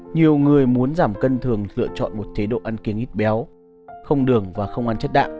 nhiều người muốn giảm cân thường lựa chọn một chế độ ăn kiên ít béo không đường và không ăn chất đạm